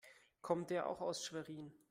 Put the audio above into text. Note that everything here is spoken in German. Kommt er auch aus Schwerin?